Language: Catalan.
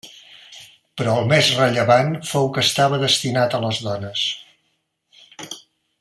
Però el més rellevant fou que estava destinat a les dones.